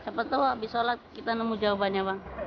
siapa tahu abis sholat kita nemu jawabannya bang